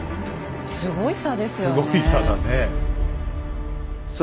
すごい差ですよね。